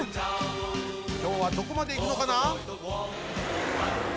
きょうはどこまでいくのかな？